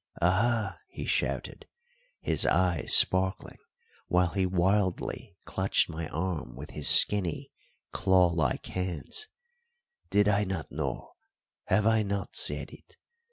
"Aha!" he shouted, his eyes sparkling, while he wildly clutched my arm with his skinny, claw like hands, "did I not know have I not said it?